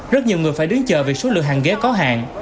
rất nhiều người phải đứng chờ vì số lượng hàng ghế có hạn